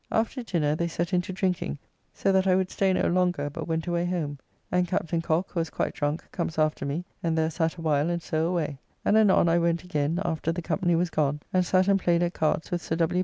After dinner they set in to drinking, so that I would stay no longer, but went away home, and Captain Cock, who was quite drunk, comes after me, and there sat awhile and so away, and anon I went again after the company was gone, and sat and played at cards with Sir W.